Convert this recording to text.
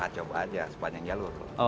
coba aja sepanjang jalur